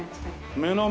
目の前。